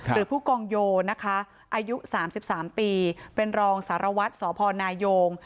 หรือผู้กองโยนะคะอายุ๓๓ปีเป็นรองสารวัตรสพนายง